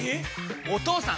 お義父さん！